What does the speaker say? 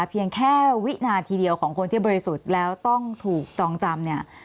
เพียงแค่วินาทีเดียวของคนที่บริสุทธิ์แล้วต้องถูกจองจำเนี่ย